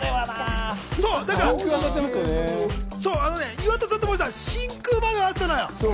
岩田さんと森さんは真空までは合ってたのよ。